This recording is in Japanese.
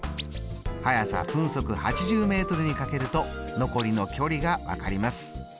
速さ分速８０ｍにかけると残りの距離が分かります。